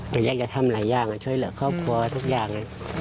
แต่อยากจะทำหลายอย่างช่วยเหลือครอบครัวทุกอย่าง